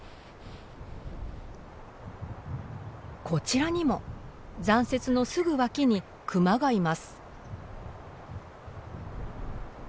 こちらにも残雪のすぐ脇にクマがいます。